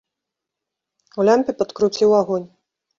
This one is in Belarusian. У лямпе падкруціў агонь.